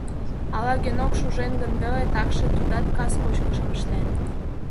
«Ала Генок шужен гын веле, такше тудат кас кочкышым ыштен.